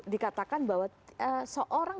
dikatakan bahwa seorang